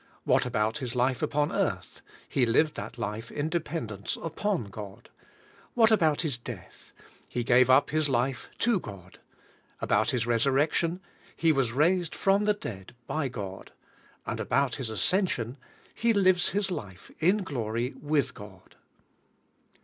What about His life upon earth? He lived that life in dependence iLfon God, About His death? He gave up His life to God. About His resurrection ? He was raised from the dead hy God, And about His as cension ? He lives His life in glory with God.